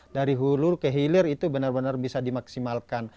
dari hulu ke hilir itu benar benar bisa dimaksimalkan